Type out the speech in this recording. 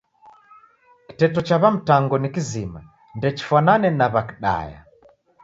Kiteto cha W'aMtango ni kizima ndechifwanane na W'aKidaya.